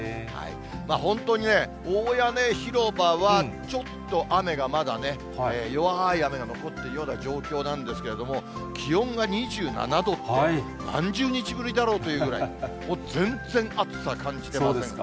本当にね、大屋根広場はちょっと雨がまだね、弱い雨が残っているような状況なんですけれども、気温が２７度って、何十日ぶりだろうというぐらい、全然暑さ感じていませんが。